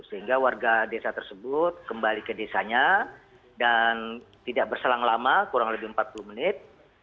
sehingga warga desa tersebut kembali ke desanya dan tidak berselang lama kurang lebih empat puluh menit